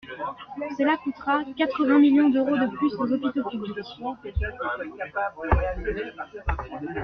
Cela coûtera quatre-vingts millions d’euros de plus aux hôpitaux publics.